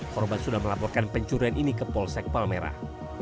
korban sudah melaporkan pencurian ini ke polsek palmerah